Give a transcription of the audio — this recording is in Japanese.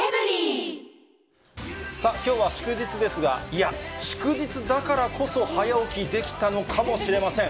さあ、きょうは祝日ですが、いや、祝日だからこそ、早起きできたのかもしれません。